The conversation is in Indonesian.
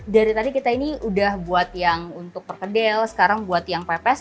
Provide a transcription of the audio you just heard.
dari tadi kita ini udah buat yang untuk perkedel sekarang buat yang pepes